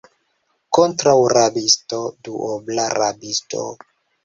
Kontraŭ rabisto, duobla rabisto.